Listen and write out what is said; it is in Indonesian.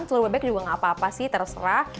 telur bebek juga nggak apa apa sih terserah